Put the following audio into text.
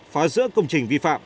phá rỡ công trình vi phạm